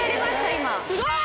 今すごい！